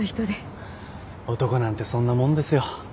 男なんてそんなもんですよ。